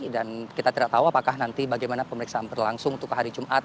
dan kita tidak tahu apakah nanti bagaimana pemeriksaan berlangsung untuk hari jumat